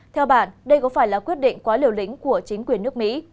theo bạn đây có phải là quyết định quá liều lính của chính quyền nước mỹ